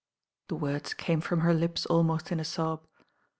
The wordi came from her lip. almoit m a sob.